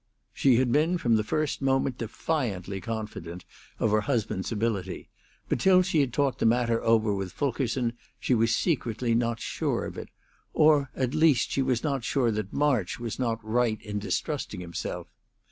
She had been from the first moment defiantly confident of her husband's ability, but till she had talked the matter over with Fulkerson she was secretly not sure of it; or, at least, she was not sure that March was not right in distrusting himself.